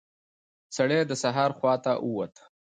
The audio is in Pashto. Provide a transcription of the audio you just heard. سړی د سهار هوا ته ووت.